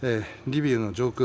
リビウの上空